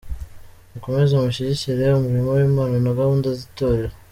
Mukomeze mushyigikire umurimo w’Imana na gahunda z’itorero.